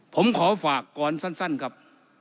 ผมขอฝากก่อนสั้นครับ